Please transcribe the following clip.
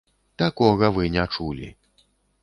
Такога вы не чулі!